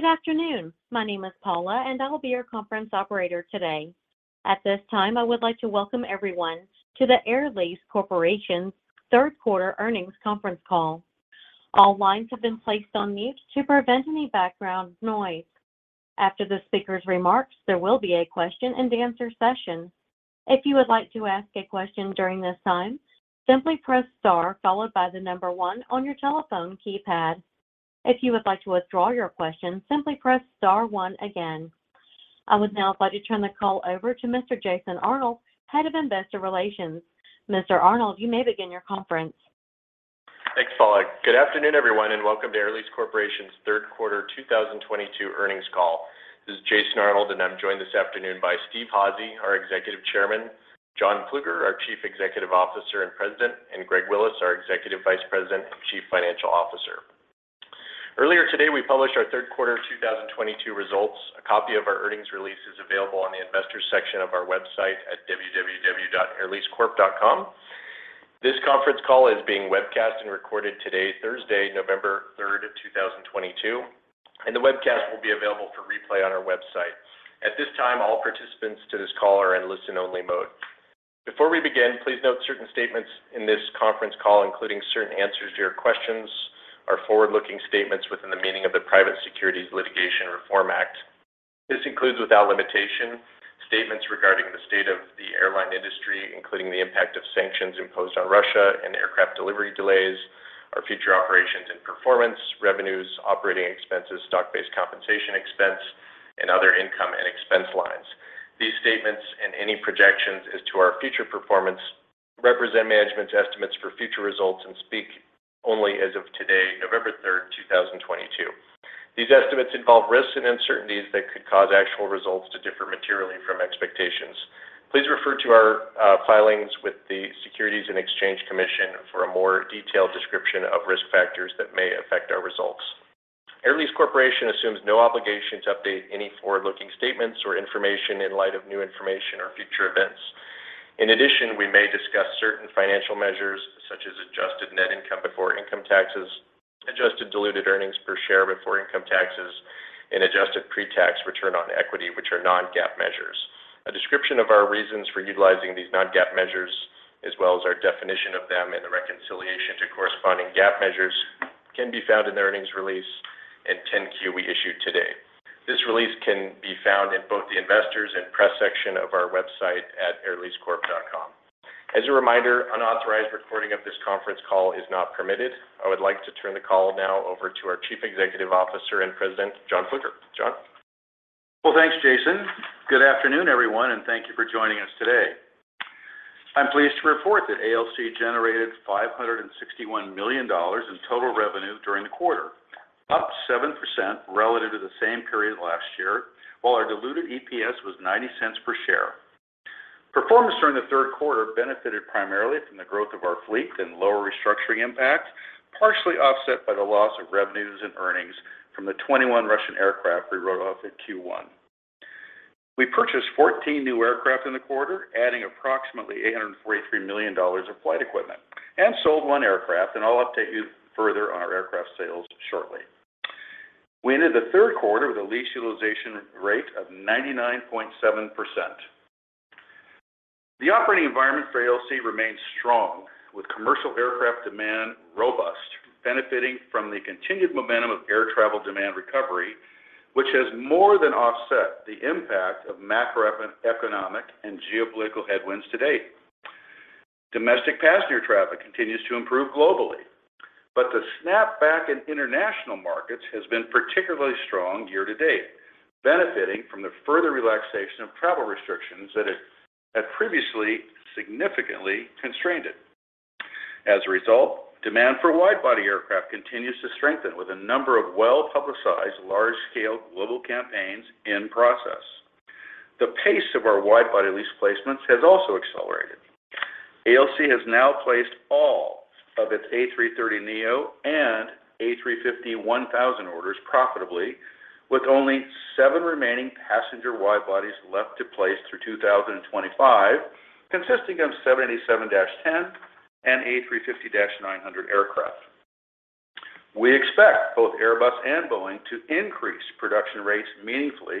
Good afternoon. My name is Paula, and I'll be your conference operator today. At this time, I would like to welcome everyone to the Air Lease Corporation's third quarter earnings conference call. All lines have been placed on mute to prevent any background noise. After the speaker's remarks, there will be a question-and-answer session. If you would like to ask a question during this time, simply press star followed by the number one on your telephone keypad. If you would like to withdraw your question, simply press star one again. I would now like to turn the call over to Mr. Jason Arnold, Head of Investor Relations. Mr. Arnold, you may begin your conference. Thanks, Paula. Good afternoon, everyone, and welcome to Air Lease Corporation's third quarter 2022 earnings call. This is Jason Arnold, and I'm joined this afternoon by Steven Udvar-Házy, our Executive Chairman, John Plueger, our Chief Executive Officer and President, and Greg Willis, our Executive Vice President and Chief Financial Officer. Earlier today, we published our third quarter 2022 results. A copy of our earnings release is available on the Investors section of our website at www.airleasecorp.com. This conference call is being webcast and recorded today, Thursday, November 3rd, 2022, and the webcast will be available for replay on our website. At this time, all participants to this call are in listen-only mode. Before we begin, please note certain statements in this conference call, including certain answers to your questions, are forward-looking statements within the meaning of the Private Securities Litigation Reform Act. This includes, without limitation, statements regarding the state of the airline industry, including the impact of sanctions imposed on Russia and aircraft delivery delays, our future operations and performance, revenues, operating expenses, stock-based compensation expense, and other income and expense lines. These statements and any projections as to our future performance represent management's estimates for future results and speak only as of today, November 3rd, 2022. These estimates involve risks and uncertainties that could cause actual results to differ materially from expectations. Please refer to our filings with the Securities and Exchange Commission for a more detailed description of risk factors that may affect our results. Air Lease Corporation assumes no obligation to update any forward-looking statements or information in light of new information or future events. In addition, we may discuss certain financial measures, such as adjusted net income before income taxes, adjusted diluted earnings per share before income taxes, and adjusted pre-tax return on equity, which are non-GAAP measures. A description of our reasons for utilizing these non-GAAP measures, as well as our definition of them and the reconciliation to corresponding GAAP measures, can be found in the earnings release and 10-Q we issued today. This release can be found in both the Investors and Press section of our website at airleasecorp.com. As a reminder, unauthorized recording of this conference call is not permitted. I would like to turn the call now over to our Chief Executive Officer and President, John Plueger. John? Well, thanks, Jason. Good afternoon, everyone, and thank you for joining us today. I'm pleased to report that ALC generated $561 million in total revenue during the quarter, up 7% relative to the same period last year, while our diluted EPS was $0.90 per share. Performance during the third quarter benefited primarily from the growth of our fleet and lower restructuring impact, partially offset by the loss of revenues and earnings from the 21 Russian aircraft we wrote off in Q1. We purchased 14 new aircraft in the quarter, adding approximately $843 million of flight equipment and sold one aircraft, and I'll update you further on our aircraft sales shortly. We ended the third quarter with a lease utilization rate of 99.7%. The operating environment for ALC remains strong, with commercial aircraft demand robust, benefiting from the continued momentum of air travel demand recovery, which has more than offset the impact of macroeconomic and geopolitical headwinds to date. Domestic passenger traffic continues to improve globally, but the snapback in international markets has been particularly strong year to date, benefiting from the further relaxation of travel restrictions that had previously significantly constrained it. As a result, demand for wide-body aircraft continues to strengthen, with a number of well-publicized, large-scale global campaigns in process. The pace of our wide-body lease placements has also accelerated. ALC has now placed all of its A330neo and A350-1000 orders profitably, with only seven remaining passenger wide-bodies left to place through 2025, consisting of 787-10 and A350-900 aircraft. We expect both Airbus and Boeing to increase production rates meaningfully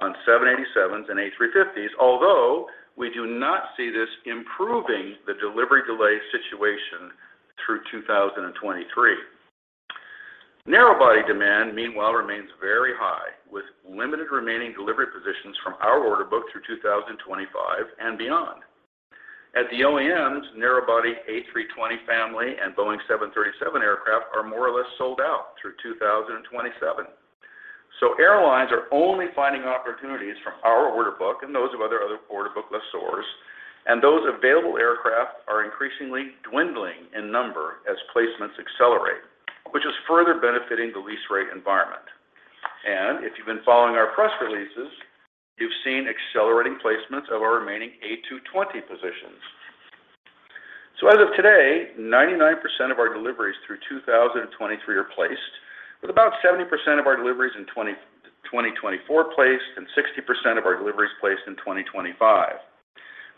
on 787s and A350s, although we do not see this improving the delivery delay situation through 2023. Narrow-body demand, meanwhile, remains very high, with limited remaining delivery positions from our order book through 2025 and beyond. At the OEMs, narrow-body A320 family and Boeing 737 aircraft are more or less sold out through 2027. Airlines are only finding opportunities from our order book and those of other order book lessors, and those available aircraft are increasingly dwindling in number as placements accelerate, which is further benefiting the lease rate environment. If you've been following our press releases, you've seen accelerating placements of our remaining A220 positions. As of today, 99% of our deliveries through 2023 are placed, with about 70% of our deliveries in 2024 placed and 60% of our deliveries placed in 2025.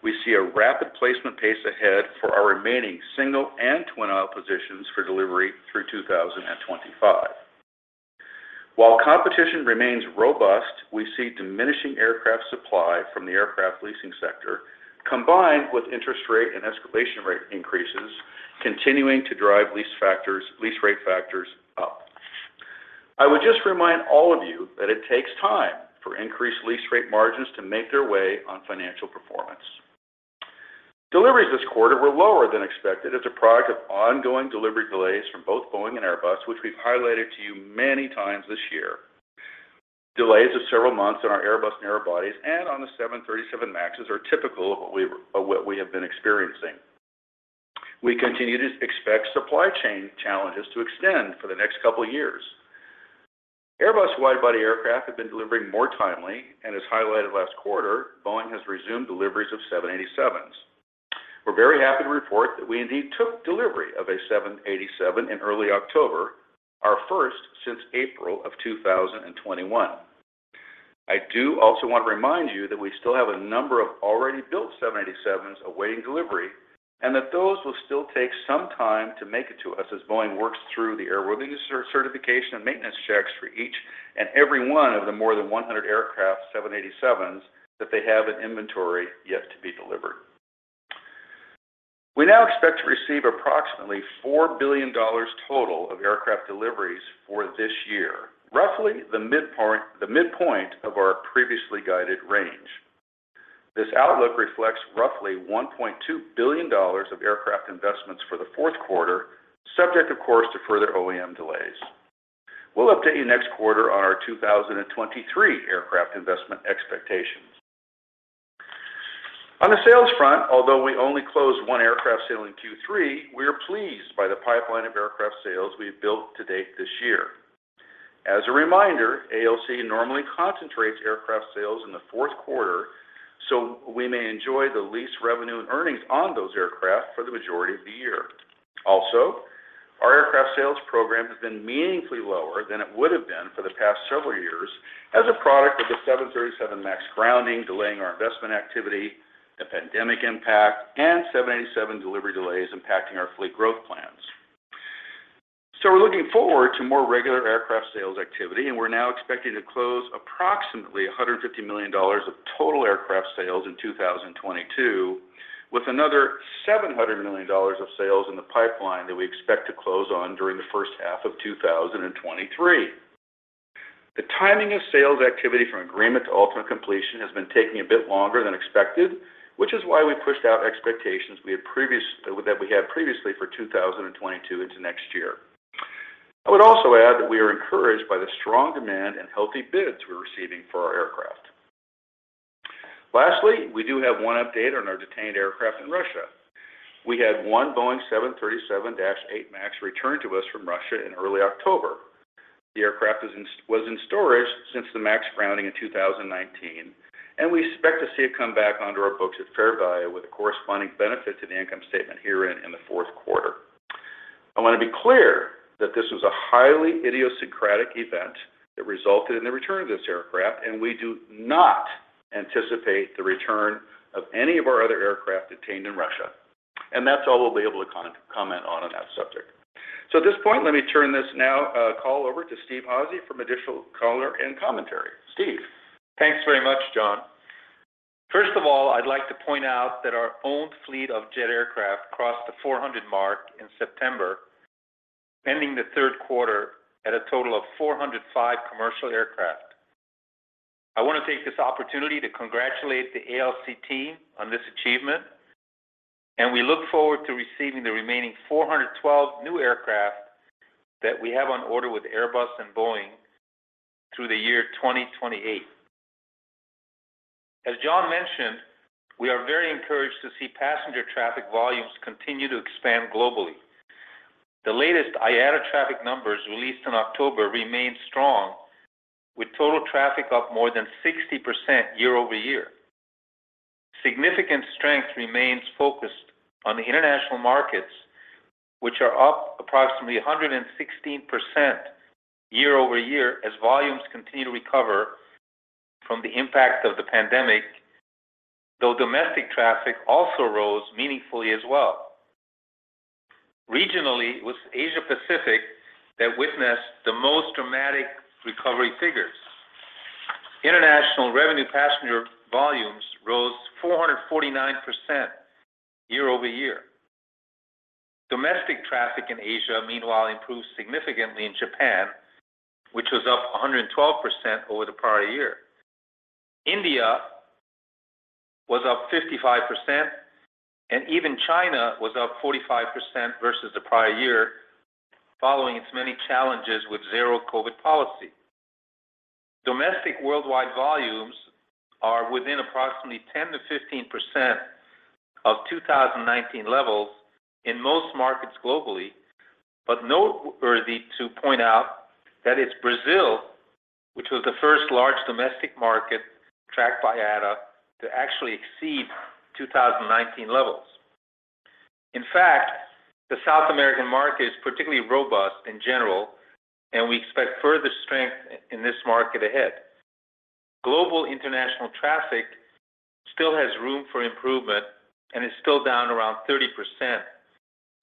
We see a rapid placement pace ahead for our remaining single and twin-aisle positions for delivery through 2025. While competition remains robust, we see diminishing aircraft supply from the aircraft leasing sector, combined with interest rate and escalation rate increases, continuing to drive lease rate factors up. I would just remind all of you that it takes time for increased lease rate margins to make their way on financial performance. Deliveries this quarter were lower than expected as a product of ongoing delivery delays from both Boeing and Airbus, which we've highlighted to you many times this year. Delays of several months on our Airbus narrowbodies and on the 737 MAXs are typical of what we have been experiencing. We continue to expect supply chain challenges to extend for the next couple years. Airbus widebody aircraft have been delivering more timely, and as highlighted last quarter, Boeing has resumed deliveries of 787s. We're very happy to report that we indeed took delivery of a 787 in early October, our first since April of 2021. I do also want to remind you that we still have a number of already built 787s awaiting delivery, and that those will still take some time to make it to us as Boeing works through the airworthiness certification and maintenance checks for each and every one of the more than 100 aircraft 787s that they have in inventory yet to be delivered. We now expect to receive approximately $4 billion total of aircraft deliveries for this year, roughly the midpoint of our previously guided range. This outlook reflects roughly $1.2 billion of aircraft investments for the fourth quarter, subject, of course, to further OEM delays. We'll update you next quarter on our 2023 aircraft investment expectations. On the sales front, although we only closed one aircraft sale in Q3, we are pleased by the pipeline of aircraft sales we've built to date this year. As a reminder, ALC normally concentrates aircraft sales in the fourth quarter, so we may enjoy the lease revenue and earnings on those aircraft for the majority of the year. Also, our aircraft sales program has been meaningfully lower than it would've been for the past several years as a product of the 737 MAX grounding delaying our investment activity, the pandemic impact, and 787 delivery delays impacting our fleet growth plans. We're looking forward to more regular aircraft sales activity, and we're now expecting to close approximately $150 million of total aircraft sales in 2022, with another $700 million of sales in the pipeline that we expect to close on during the first half of 2023. The timing of sales activity from agreement to ultimate completion has been taking a bit longer than expected, which is why we pushed out expectations that we had previously for 2022 into next year. I would also add that we are encouraged by the strong demand and healthy bids we're receiving for our aircraft. Lastly, we do have one update on our detained aircraft in Russia. We had one Boeing 737-8 MAX returned to us from Russia in early October. The aircraft was in storage since the MAX grounding in 2019, and we expect to see it come back onto our books at fair value with a corresponding benefit to the income statement herein in the fourth quarter. I want to be clear that this was a highly idiosyncratic event that resulted in the return of this aircraft, and we do not anticipate the return of any of our other aircraft detained in Russia, and that's all we'll be able to comment on that subject. At this point, let me turn this call over to Steve Házy for additional color and commentary. Steve. Thanks very much, John. First of all, I'd like to point out that our owned fleet of jet aircraft crossed the 400 mark in September, ending the third quarter at a total of 405 commercial aircraft. I want to take this opportunity to congratulate the ALC team on this achievement, and we look forward to receiving the remaining 412 new aircraft that we have on order with Airbus and Boeing through the year 2028. As John mentioned, we are very encouraged to see passenger traffic volumes continue to expand globally. The latest IATA traffic numbers released in October remain strong, with total traffic up more than 60% year-over-year. Significant strength remains focused on the international markets, which are up approximately 116% year-over-year as volumes continue to recover from the impact of the pandemic, though domestic traffic also rose meaningfully as well. Regionally, it was Asia Pacific that witnessed the most dramatic recovery figures. International revenue passenger volumes rose 449% year-over-year. Domestic traffic in Asia, meanwhile, improved significantly in Japan, which was up 112% over the prior year. India was up 55%, and even China was up 45% versus the prior year, following its many challenges with zero-COVID policy. Domestic worldwide volumes are within approximately 10%-15% of 2019 levels in most markets globally. Noteworthy to point out that it's Brazil, which was the first large domestic market tracked by IATA, to actually exceed 2019 levels. In fact, the South American market is particularly robust in general, and we expect further strength in this market ahead. Global international traffic still has room for improvement and is still down around 30%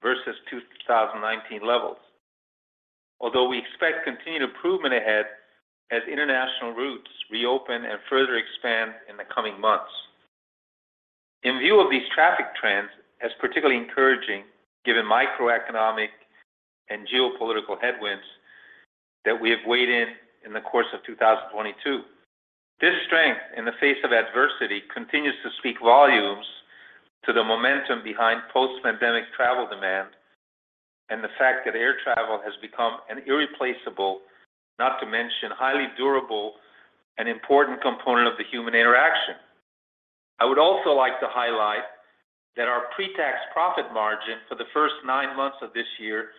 versus 2019 levels. Although we expect continued improvement ahead as international routes reopen and further expand in the coming months. In view of these traffic trends is particularly encouraging given microeconomic and geopolitical headwinds that we have weathered in the course of 2022. This strength in the face of adversity continues to speak volumes to the momentum behind post-pandemic travel demand and the fact that air travel has become an irreplaceable, not to mention highly durable and important component of the human interaction. I would also like to highlight that our pre-tax profit margin for the first nine months of this year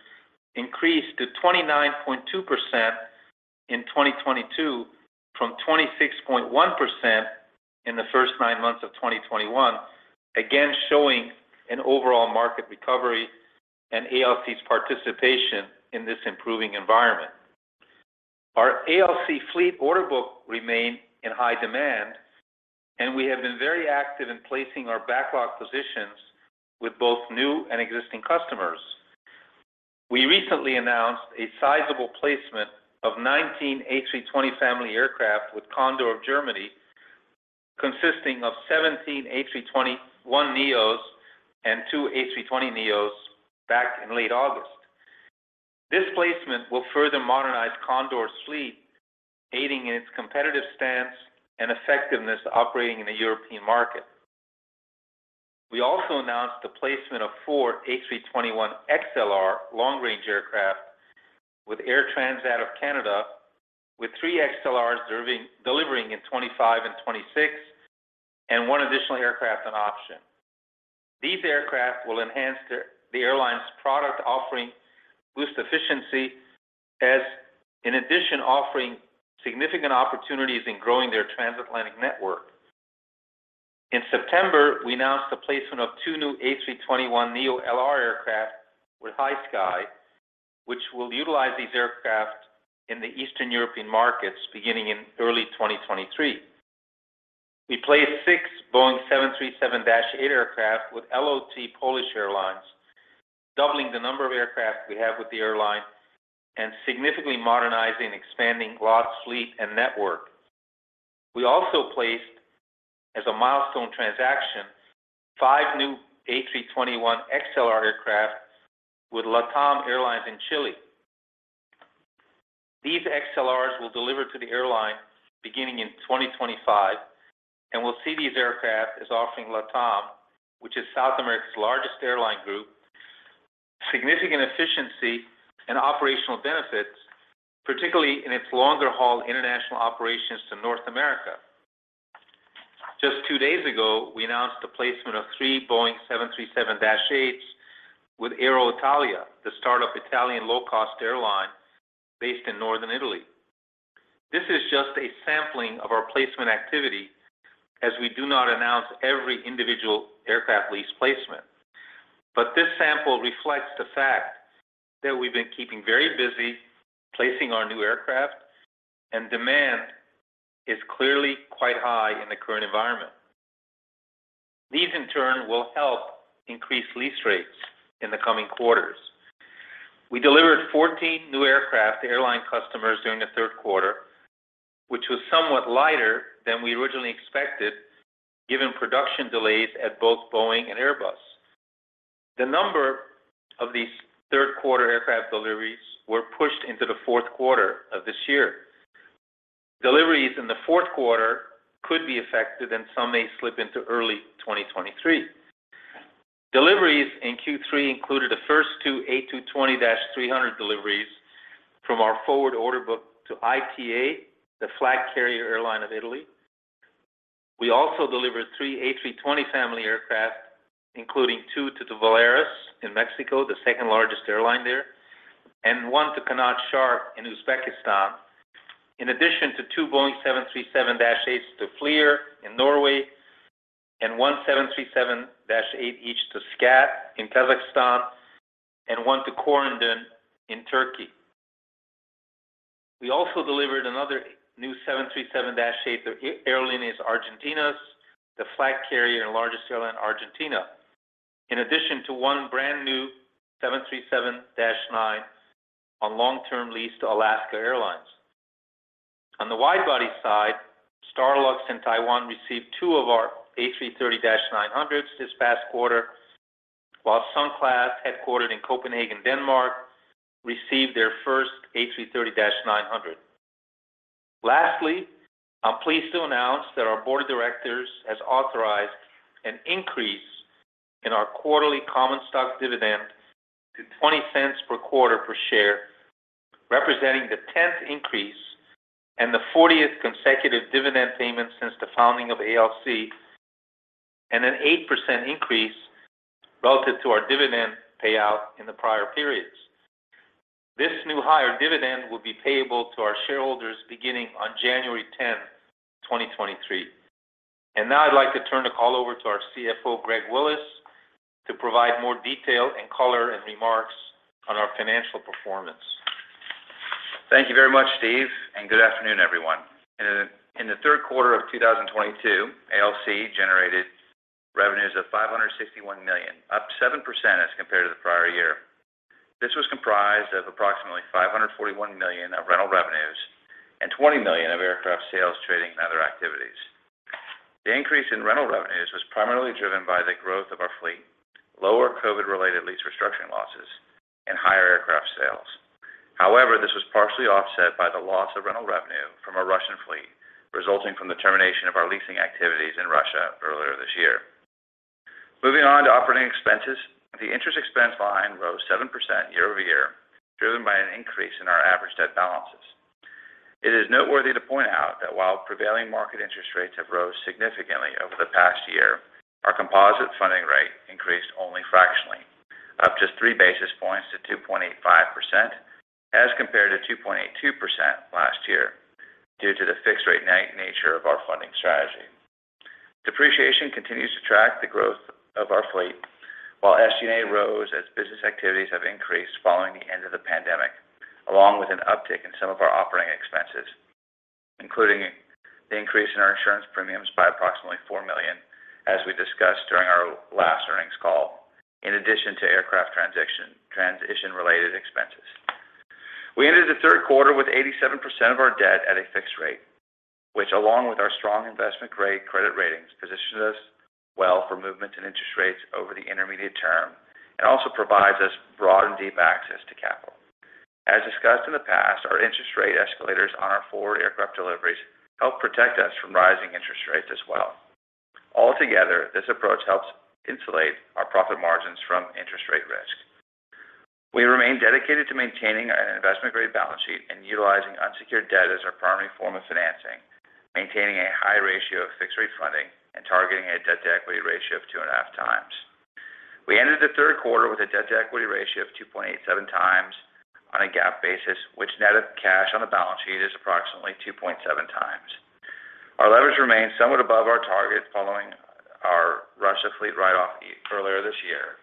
increased to 29.2% in 2022 from 26.1% in the first nine months of 2021. Again, showing an overall market recovery and ALC's participation in this improving environment. Our ALC fleet order book remain in high demand, and we have been very active in placing our backlog positions with both new and existing customers. We recently announced a sizable placement of 19 A320 family aircraft with Condor of Germany, consisting of 17 A321neos and two A320neos back in late August. This placement will further modernize Condor's fleet, aiding in its competitive stance and effectiveness operating in the European market. We also announced the placement of four A321XLR long-range aircraft with Air Transat of Canada, with three XLRs delivering in 2025 and 2026, and one additional aircraft on option. These aircraft will enhance the airline's product offering, boost efficiency, in addition, offering significant opportunities in growing their transatlantic network. In September, we announced the placement of two new A321neo LR aircraft with HiSky, which will utilize these aircraft in the Eastern European markets beginning in early 2023. We placed six Boeing 737-8 aircraft with LOT Polish Airlines, doubling the number of aircraft we have with the airline and significantly modernizing, expanding LOT's fleet and network. We also placed, as a milestone transaction, five new A321XLR aircraft with LATAM Airlines in Chile. These A321XLRs will deliver to the airline beginning in 2025, and we'll see these aircraft as offering LATAM, which is South America's largest airline group, significant efficiency and operational benefits, particularly in its longer-haul international operations to North America. Just two days ago, we announced the placement of three Boeing 737-8s with Aeroitalia, a startup Italian low-cost airline based in northern Italy. This is just a sampling of our placement activity as we do not announce every individual aircraft lease placement. This sample reflects the fact that we've been keeping very busy placing our new aircraft, and demand is clearly quite high in the current environment. These, in turn, will help increase lease rates in the coming quarters. We delivered 14 new aircraft to airline customers during the third quarter, which was somewhat lighter than we originally expected, given production delays at both Boeing and Airbus. The number of these third quarter aircraft deliveries were pushed into the fourth quarter of this year. Deliveries in the fourth quarter could be affected, and some may slip into early 2023. Deliveries in Q3 included the first two A220-300 deliveries from our forward order book to ITA, the flag carrier airline of Italy. We also delivered three A320 family aircraft, including two to Volaris in Mexico, the second-largest airline there, and one to Qanot Sharq in Uzbekistan. In addition to two Boeing 737-8s to Flyr in Norway and one 737-8 each to SCAT in Kazakhstan and one to Corendon in Turkey. We also delivered another new 737-8 to Aerolíneas Argentinas, the flag carrier and largest airline in Argentina. In addition to one brand new 737-9 on long-term lease to Alaska Airlines. On the wide-body side, Starlux in Taiwan received 2 of our A330-900s this past quarter, while Sunclass, headquartered in Copenhagen, Denmark, received their first A330-900. Lastly, I'm pleased to announce that our board of directors has authorized an increase in our quarterly common stock dividend to $0.20 per share, representing the tenth increase and the fortieth consecutive dividend payment since the founding of ALC, and an 8% increase relative to our dividend payout in the prior periods. This new higher dividend will be payable to our shareholders beginning on January 10th, 2023. Now I'd like to turn the call over to our CFO, Greg Willis, to provide more detail and color and remarks on our financial performance. Thank you very much, Steve, and good afternoon, everyone. In the third quarter of 2022, ALC generated revenues of $561 million, up 7% as compared to the prior year. This was comprised of approximately $541 million of rental revenues and $20 million of aircraft sales, trading, and other activities. The increase in rental revenues was primarily driven by the growth of our fleet, lower COVID-related lease restructuring losses, and higher aircraft sales. However, this was partially offset by the loss of rental revenue from our Russian fleet, resulting from the termination of our leasing activities in Russia earlier this year. Moving on to operating expenses, the interest expense line rose 7% year-over-year, driven by an increase in our average debt balances. It is noteworthy to point out that while prevailing market interest rates have rose significantly over the past year, our composite funding rate increased only fractionally, up just three basis points to 2.85% as compared to 2.82% last year due to the fixed-rate nature of our funding strategy. Depreciation continues to track the growth of our fleet, while SG&A rose as business activities have increased following the end of the pandemic, along with an uptick in some of our operating expenses, including the increase in our insurance premiums by approximately $4 million, as we discussed during our last earnings call, in addition to aircraft transition-related expenses. We ended the third quarter with 87% of our debt at a fixed rate, which, along with our strong investment-grade credit ratings, positions us well for movement in interest rates over the intermediate term and also provides us broad and deep access to capital. As discussed in the past, our interest rate escalators on our forward aircraft deliveries help protect us from rising interest rates as well. Altogether, this approach helps insulate our profit margins from interest rate risk. We remain dedicated to maintaining an investment-grade balance sheet and utilizing unsecured debt as our primary form of financing, maintaining a high ratio of fixed-rate funding and targeting a debt-to-equity ratio of 2.5x. We ended the third quarter with a debt-to-equity ratio of 2.87x on a GAAP basis, which net of cash on the balance sheet is approximately 2.7x. Our leverage remains somewhat above our target following our Russia fleet write-off earlier this year.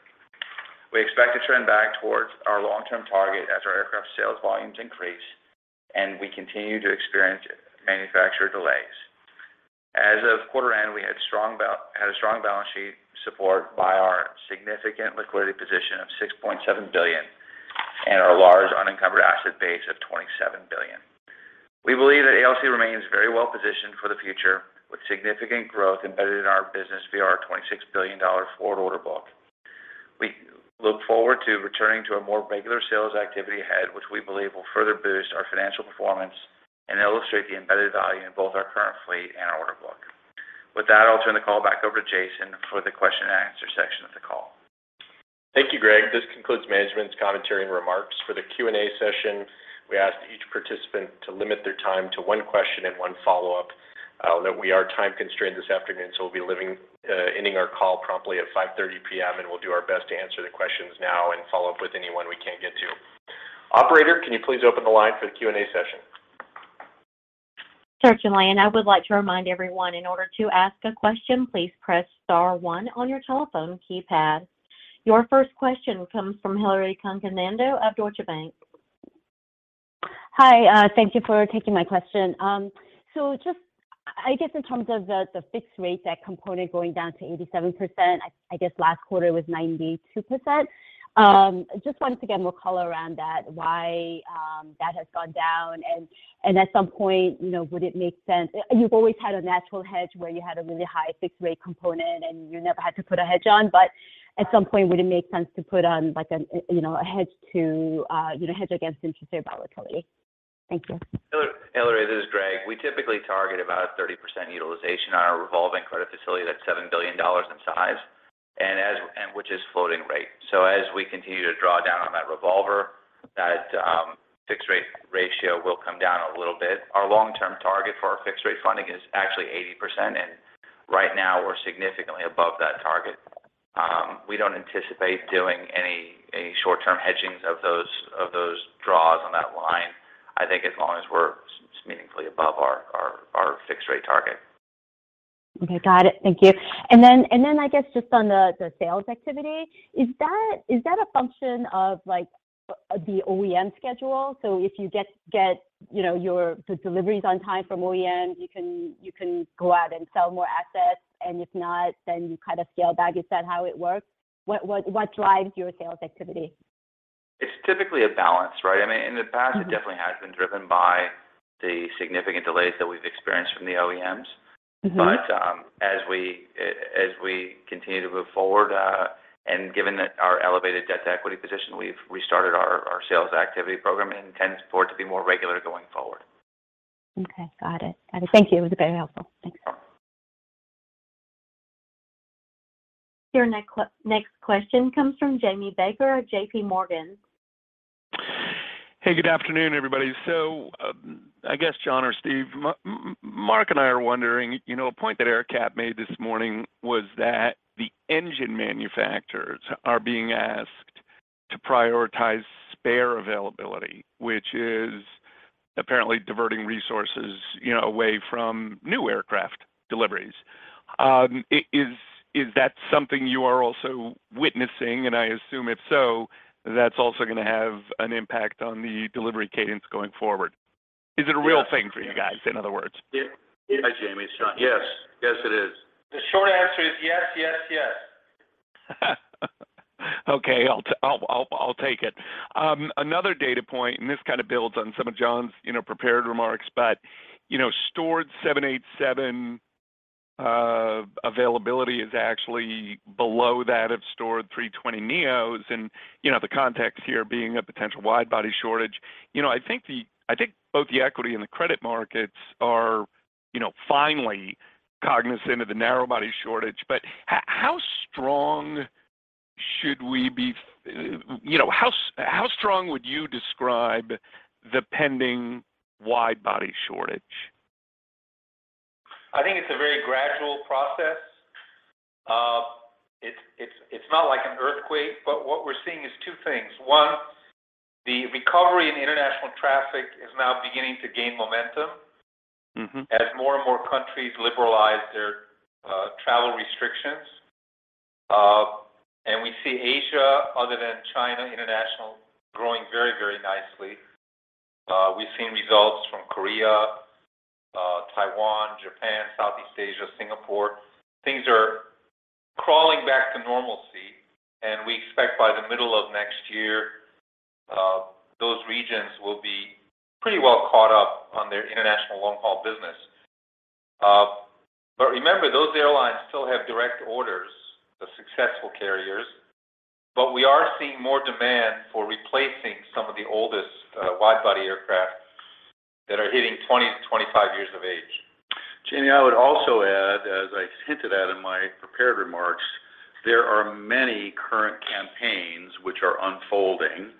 We expect to trend back towards our long-term target as our aircraft sales volumes increase, and we continue to experience manufacturer delays. As of quarter end, we had a strong balance sheet supported by our significant liquidity position of $6.7 billion and our large unencumbered asset base of $27 billion. We believe that ALC remains very well positioned for the future, with significant growth embedded in our business via our $26 billion forward order book. We look forward to returning to a more regular sales activity ahead, which we believe will further boost our financial performance and illustrate the embedded value in both our current fleet and our order book. With that, I'll turn the call back over to Jason for the question and answer section of the call. Thank you, Greg. This concludes management's commentary and remarks. For the Q&A session, we ask each participant to limit their time to one question and one follow-up, though we are time-constrained this afternoon, so we'll be ending our call promptly at 5:30 P.M., and we'll do our best to answer the questions now and follow up with anyone we can't get to. Operator, can you please open the line for the Q&A session? Certainly. I would like to remind everyone, in order to ask a question, please press star one on your telephone keypad. Your first question comes from Hillary Cacanando of Deutsche Bank. Hi, thank you for taking my question. So, I guess in terms of the fixed rate, that component going down to 87%, I guess last quarter was 92%. Just wanted to get more color around that, why that has gone down. At some point, you know, would it make sense. You've always had a natural hedge where you had a really high fixed rate component and you never had to put a hedge on. At some point, would it make sense to put on like, you know, a hedge to, you know, hedge against interest rate volatility? Thank you. Hilary, this is Greg. We typically target about a 30% utilization on our revolving credit facility that's $7 billion in size, and which is floating rate. As we continue to draw down on that revolver, that fixed rate ratio will come down a little bit. Our long-term target for our fixed rate funding is actually 80%, and right now, we're significantly above that target. We don't anticipate doing any short-term hedging of those draws on that line, I think as long as we're significantly above our fixed rate target. Okay. Got it. Thank you. I guess just on the sales activity, is that a function of, like, the OEM schedule? So if you get you know, the deliveries on time from OEM, you can go out and sell more assets, and if not, then you kind of scale back. Is that how it works? What drives your sales activity? It's typically a balance, right? I mean, in the past, it definitely has been driven by the significant delays that we've experienced from the OEMs. Mm-hmm. As we continue to move forward and given that our elevated debt-to-equity position, we've restarted our sales activity program and intend for it to be more regular going forward. Okay. Got it. Thank you. It was very helpful. Thanks. Your next question comes from Jamie Baker of JPMorgan. Hey, good afternoon, everybody. I guess, John or Steve, Mark and I are wondering, you know, a point that AerCap made this morning was that the engine manufacturers are being asked to prioritize spare availability, which is apparently diverting resources, you know, away from new aircraft deliveries. Is that something you are also witnessing? I assume if so, that's also gonna have an impact on the delivery cadence going forward. Is it a real thing for you guys, in other words? Yeah. Hi, Jamie. It's John. Yes. Yes, it is. The short answer is yes, yes. Okay. I'll take it. Another data point, this kind of builds on some of John's you know prepared remarks, but you know stored 787 availability is actually below that of stored 320 neos and you know the context here being a potential wide body shortage. You know I think both the equity and the credit markets are you know finally cognizant of the narrow body shortage. How strong should we be? You know how strong would you describe the pending wide body shortage? I think it's a very gradual process. It's not like an earthquake, but what we're seeing is two things. One, the recovery in international traffic is now beginning to gain momentum. Mm-hmm As more and more countries liberalize their travel restrictions. We see Asia, other than China International, growing very, very nicely. We've seen results from Korea, Taiwan, Japan, Southeast Asia, Singapore. Things are crawling back to normalcy, and we expect by the middle of next year, those regions will be pretty well caught up on their international long-haul business. Remember, those airlines still have direct orders, the successful carriers, but we are seeing more demand for replacing some of the oldest wide-body aircraft that are hitting 20-25 years of age. Jamie, I would also add, as I hinted at in my prepared remarks, there are many current campaigns which are unfolding.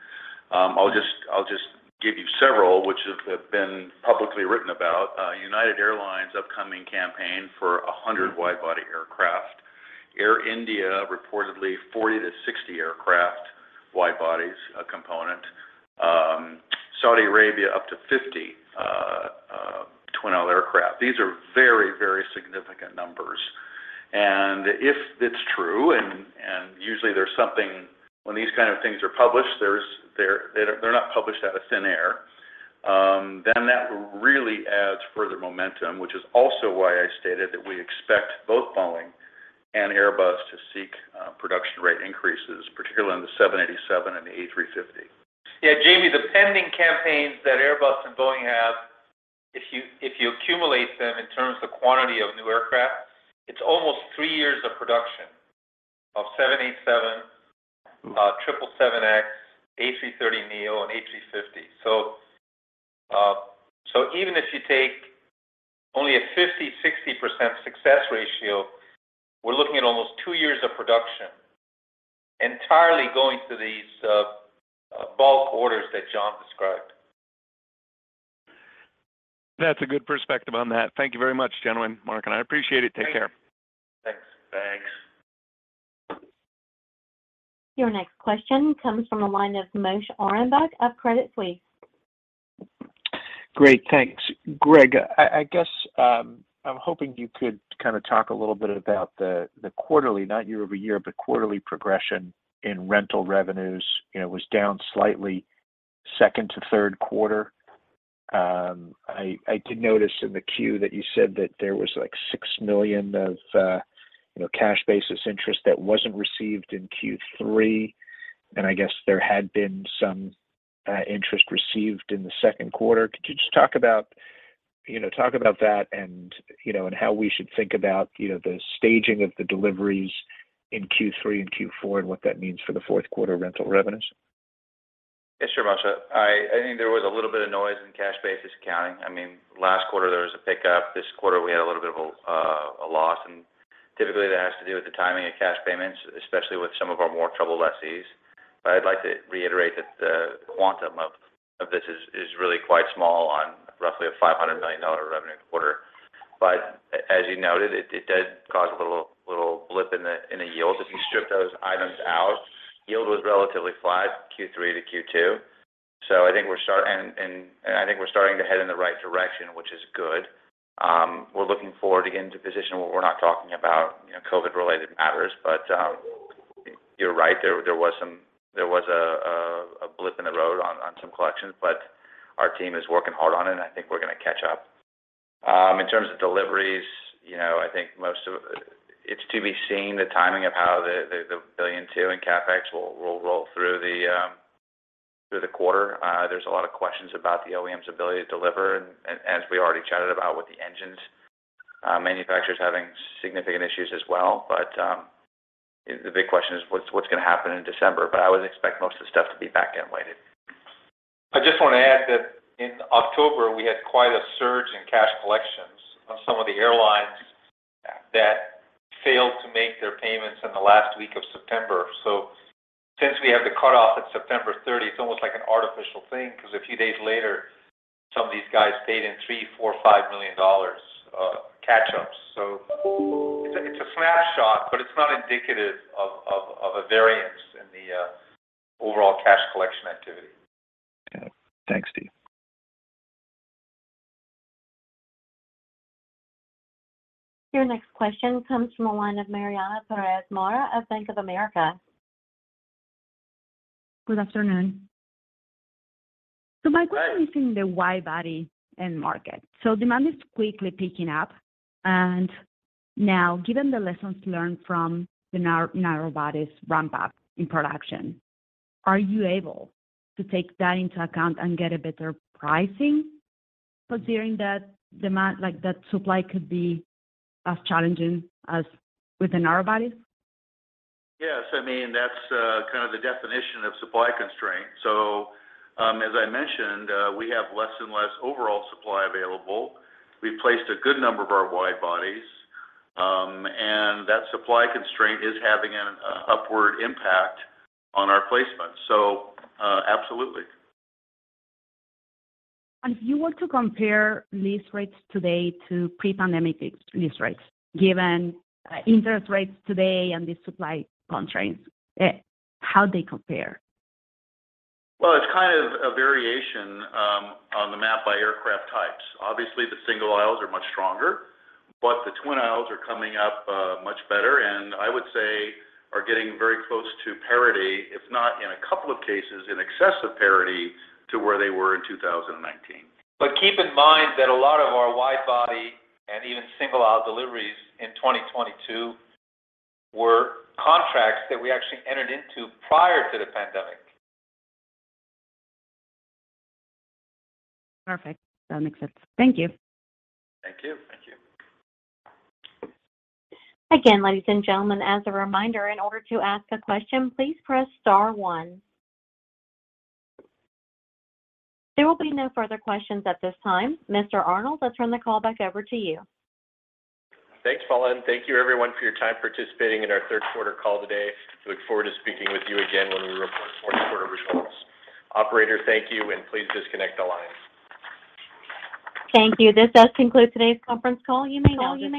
I'll just give you several, which have been publicly written about. United Airlines' upcoming campaign for 100 wide-body aircraft. Air India, reportedly 40-60 aircraft, wide-body complement. Saudi Arabia, up to 50 twin-aisle aircraft. These are very significant numbers. If it's true, usually there's something when these kind of things are published. They're not published out of thin air, then that really adds further momentum, which is also why I stated that we expect both Boeing and Airbus to seek production rate increases, particularly in the 787 and the A350. Yeah, Jamie, the pending campaigns that Airbus and Boeing have, if you accumulate them in terms of quantity of new aircraft, it's almost three years of production of 787, 777X, A330neo, and A350. Even if you take only a 50%-60% success ratio, we're looking at almost two years of production entirely going to these bulk orders that John described. That's a good perspective on that. Thank you very much, gentlemen. Mark and I appreciate it. Take care. Thanks. Thanks. Your next question comes from the line of Moshe Orenbuch of Credit Suisse. Great, thanks. Greg, I guess I'm hoping you could kind of talk a little bit about the quarterly, not year-over-year, but quarterly progression in rental revenues. You know, was down slightly second to third quarter. I did notice in the 10-Q that you said that there was, like, $6 million of cash basis interest that wasn't received in Q3, and I guess there had been some interest received in the second quarter. Could you just talk about that and how we should think about the staging of the deliveries in Q3 and Q4 and what that means for the fourth quarter rental revenues? Yes, sure, Moshe. I think there was a little bit of noise in cash basis accounting. I mean, last quarter, there was a pickup. This quarter, we had a little bit of a loss, and typically that has to do with the timing of cash payments, especially with some of our more troubled lessees. But I'd like to reiterate that the quantum of this is really quite small on roughly a $500 million revenue quarter. But as you noted, it does cause a little blip in the yield. If you strip those items out, yield was relatively flat, Q3 to Q2. I think we're starting to head in the right direction, which is good. We're looking forward to getting into a position where we're not talking about, you know, COVID-related matters. You're right. There was a blip in the road on some collections, but our team is working hard on it, and I think we're gonna catch up. In terms of deliveries, you know, I think most of it is to be seen, the timing of how the $1.2 billion in CapEx will roll through the quarter. There's a lot of questions about the OEM's ability to deliver and, as we already chatted about, with the engine manufacturers having significant issues as well. The big question is what's gonna happen in December. I would expect most of the stuff to be back-end weighted. I just wanna add that in October, we had quite a surge in cash collections on some of the airlines that failed to make their payments in the last week of September. Since we have the cutoff at September thirtieth, it's almost like an artificial thing because a few days later. Some of these guys paid in $3 million, $4 million, $5 million of catch-ups. It's a snapshot, but it's not indicative of a variance in the overall cash collection activity. Okay. Thanks, Steve. Your next question comes from the line of Mariana Pérez Mora of Bank of America. Good afternoon. My question is in the wide-body end market. Demand is quickly picking up, and now, given the lessons learned from the narrow body's ramp up in production, are you able to take that into account and get a better pricing considering that demand, like that supply could be as challenging as with the narrow bodies? Yes. I mean, that's kind of the definition of supply constraint. As I mentioned, we have less and less overall supply available. We've placed a good number of our wide-bodies, and that supply constraint is having an upward impact on our placements. Absolutely. If you were to compare lease rates today to pre-pandemic lease rates, given interest rates today and the supply constraints, how they compare? Well, it's kind of a variation on the map by aircraft types. Obviously, the single aisles are much stronger, but the twin aisles are coming up much better, and I would say are getting very close to parity, if not, in a couple of cases, in excess of parity to where they were in 2019. But keep in mind that a lot of our wide-body and even single aisle deliveries in 2022 were contracts that we actually entered into prior to the pandemic. Perfect. That makes sense. Thank you. Thank you. Thank you. Again, ladies and gentlemen, as a reminder, in order to ask a question, please press star one. There will be no further questions at this time. Mr. Arnold, let's turn the call back over to you. Thanks, Paula, and thank you everyone for your time participating in our third quarter call today. Look forward to speaking with you again when we report fourth quarter results. Operator, thank you, and please disconnect the lines. Thank you. This does conclude today's conference call. You may now disconnect.